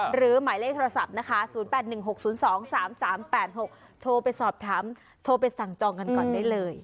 หมายเลขโทรศัพท์นะคะ๐๘๑๖๐๒๓๓๘๖โทรไปสอบถามโทรไปสั่งจองกันก่อนได้เลย